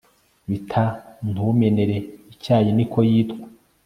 bita ntumenere icyayi niko yitwa